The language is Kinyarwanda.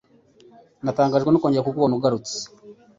Natangajwe no kongera kukubona ugarutse.